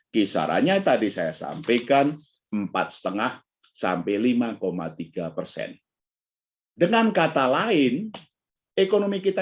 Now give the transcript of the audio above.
kisarannya tadi saya sampaikan empat lima sampai lima tiga persen dengan kata lain ekonomi kita